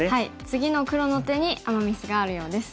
次の黒の手にアマ・ミスがあるようです。